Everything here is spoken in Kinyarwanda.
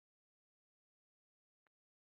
Ingingo ya Igihe cyo guhinduza amazina